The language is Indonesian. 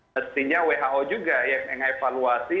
mestinya who juga yang mengevaluasi